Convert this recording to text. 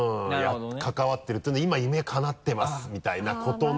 関わってるっていうのは「今夢かなってます」みたいなことの。